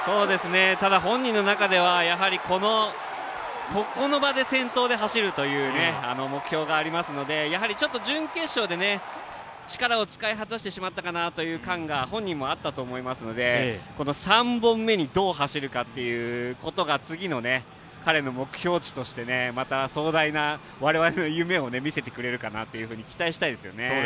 ただ本人の中ではここの場で先頭で走るという目標がありますのでやはりちょっと準決勝で力を使い果たしてしまったかなという感じが本人もあったと思うので３本目にどう走るかということが次の彼の目標値としてまた壮大な我々の夢を見せてくれるかなと期待したいですね。